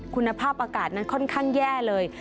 คุณภาพอากาศนั้นค่อนข้างแย่เลย